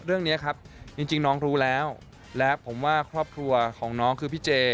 เรื่องนี้ครับจริงน้องรู้แล้วและผมว่าครอบครัวของน้องคือพี่เจ